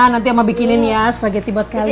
nanti oma bikinin ya spaghetti buat kalian ya